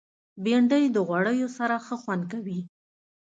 بېنډۍ د غوړیو سره ښه خوند کوي